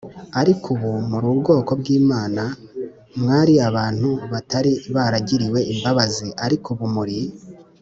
ariko ubu muri ubwoko bw Imana j mwari abantu batari baragiriwe imbabazi ariko ubu muri